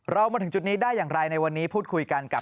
เรามาถึงจุดนี้ได้อย่างไรในวันนี้พูดคุยกันกับ